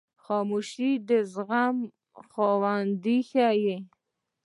خاموشي، د زغم خاوند ښیي.